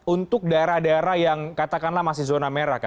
untuk daerah daerah yang katakanlah masih zona merah